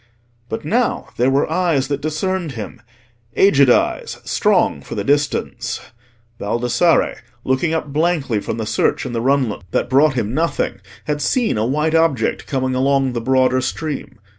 But now there were eyes that discerned him—aged eyes, strong for the distance. Baldassarre, looking up blankly from the search in the runlet that brought him nothing, had seen a white object coming along the broader stream.